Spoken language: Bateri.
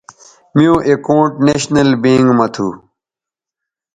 میوں اکاؤنٹ نیشنل بینک مہ تھو